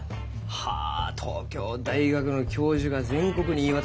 はあ東京大学の教授が全国に言い渡す。